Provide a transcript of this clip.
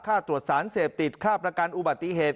ค่าตรวจสารเสพติดค่าประกันอุบัติเหตุ